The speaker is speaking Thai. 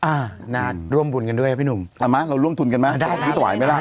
อ่าน่าร่วมบุญกันด้วยนะพี่หนุ่มเอามาเราร่วมทุนกันไหมได้ครับ